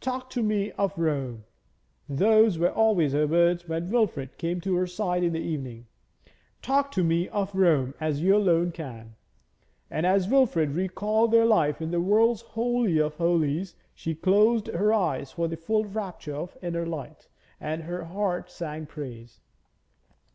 'Talk to me of Rome;' those were always her words when Wilfrid came to her side in the evening. 'Talk to me of Rome, as you alone can.' And as Wilfrid recalled their life in the world's holy of holies, she closed her eyes for the full rapture of the inner light, and her heart sang praise.